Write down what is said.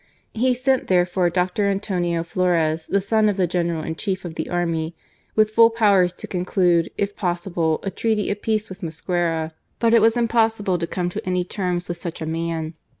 He sent therefore Dr. Antonio Flores, the son of the General in Chief of the army, with full powers to conclude, if possible, a treaty of peace with Mosquera. But it was impossible to come to any terms with such a man.